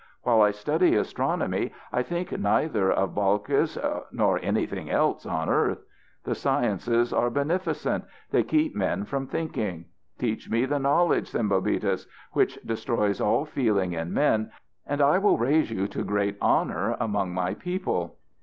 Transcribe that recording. While I study astronomy I think neither of Balkis nor anything else on earth. The sciences are benificent; they keep men from thinking. Teach me the knowledge, Sembobitis, which destroys all feeling in men and I will raise you to great honour among my people."